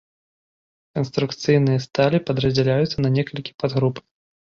Канструкцыйныя сталі падраздзяляюцца на некалькі падгруп.